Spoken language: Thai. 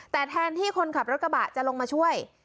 แต่แทนที่คนขับรถกระบะจะลงมาช่วย